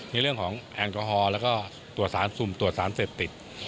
ในเรื่องของแอลกอฮอลแล้วก็ตรวจสารสุ่มตรวจสารเสพติด